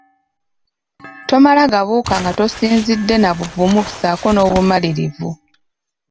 Tomala gabuuka nga tosinzidde na buvumu ssaako n'obumalirivu.